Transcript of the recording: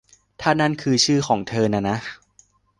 ถ้านั่นคือชื่อของเธอน่ะนะ